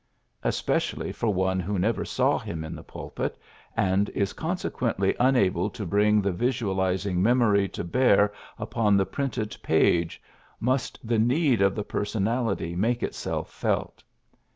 Especially for one who never saw him in the pulpit, and is con sequently unable to bring the visualiz ing memory to bear upon the printed page, must the need of the personality . make itself felt.